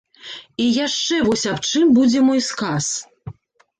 І яшчэ вось аб чым будзе мой сказ.